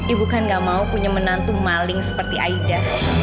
ibu kan gak mau punya menantu maling seperti aida